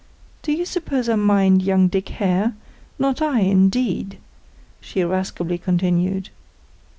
Do you suppose I mind young Dick Hare? Not I, indeed," she irascibly continued.